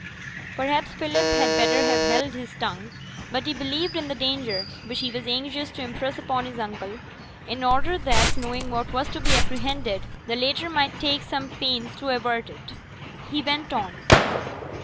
Perhaps Philip had better have held his tongue; but he believed in the danger, which he was anxious to impress upon his uncle, in order that, knowing what was to be apprehended, the latter might take some pains to avert it. He went on.